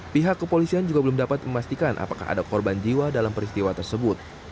pihak kepolisian juga belum dapat memastikan apakah ada korban jiwa dalam peristiwa tersebut